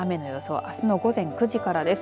あすの午前９時からです。